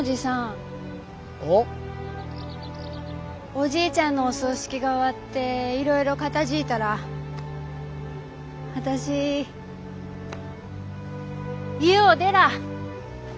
おじいちゃんのお葬式が終わっていろいろ片づぃたら私家を出らあ。